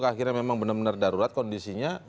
akhirnya memang benar benar darurat kondisinya